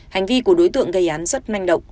hành vi của đối tượng gây án rất manh động